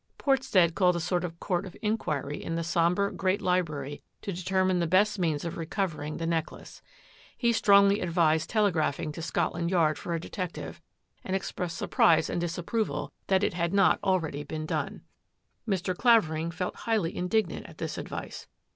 Portstead called a sort of court of inquiry in the sombre, great library to de termine the best means of recovering the necklace. He strongly advised telegraphing to Scotland Yard for a detective, and expressed surprise and disapproval that it had not already been done. Mr. Clavering felt highly indignant at this ad vice.